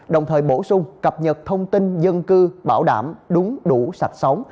đồng thời bổ sung cập nhật thông tin dân cư bảo đảm đúng đủ sạch sống